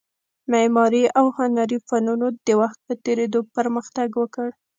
معماري او هنري فنونو د وخت په تېرېدو پرمختګ وکړ